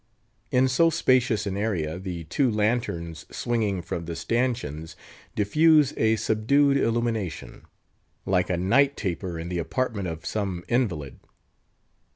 In so spacious an area the two lanterns swinging from the stanchions diffuse a subdued illumination, like a night taper in the apartment of some invalid.